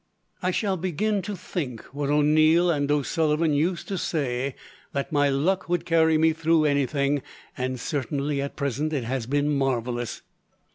"I shall begin to think what O'Neil and O'Sullivan used to say, that my luck would carry me through anything; and certainly, at present, it has been marvellous."